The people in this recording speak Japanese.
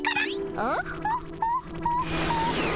オホホホホホ。